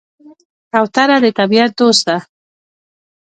کوتره د طبیعت دوست ده.